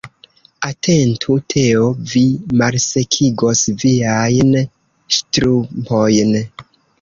Atentu Teo, vi malsekigos viajn ŝtrumpojn.